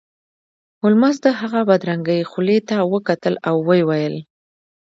هولمز د هغه بدرنګې خولې ته وکتل او ویې ویل